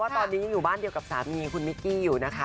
ตอนนี้อยู่บ้านเดียวกับสามีคุณมิกกี้อยู่นะคะ